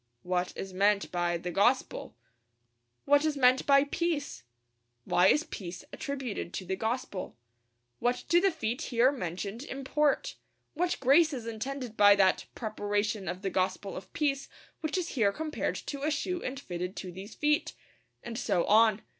What is meant by the gospel? What is meant by peace? Why is peace attributed to the gospel? What do the feet here mentioned import? What grace is intended by that 'preparation of the gospel of peace' which is here compared to a shoe and fitted to these feet? And so on.